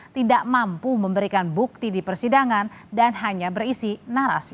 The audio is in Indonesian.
tidak mampu memberikan bukti di persidangan dan hanya berisi narasi